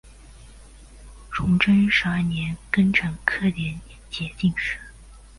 崇祯十二年庚辰科联捷进士。